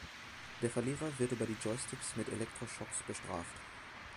Der Verlierer wird über die Joysticks mit Elektroschocks bestraft.